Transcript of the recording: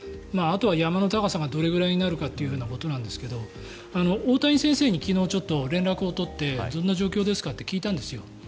あとは山の高さがどれぐらいになるかということですが大谷先生に昨日、連絡を取ってどんな状況ですかって聞いたんですよ。